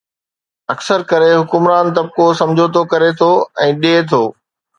اڪثر ڪري حڪمران طبقو سمجھوتو ڪري ٿو ۽ ڏئي ٿو.